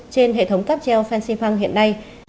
trên hệ thống cap gel fancy fun hiện nay